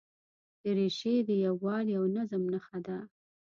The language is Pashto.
دریشي د یووالي او نظم نښه ده.